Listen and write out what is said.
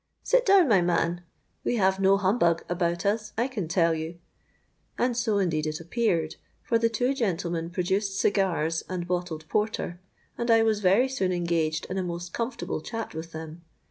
Sit down, my man: we have no humbug about us, I can tell you.'—And so indeed it appeared; for the two gentlemen produced cigars and bottled porter, and I was very soon engaged in a most comfortable chat with them.